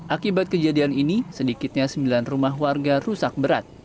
akibat kejadian ini sedikitnya sembilan rumah warga rusak berat